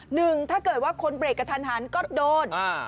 หนึ่งถ้าเกิดว่าคนเบรกกระทันหันก็โดน